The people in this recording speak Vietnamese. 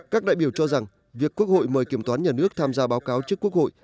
các đại biểu cho rằng việc quốc hội mời kiểm toán nhà nước tham gia báo cáo trước quốc hội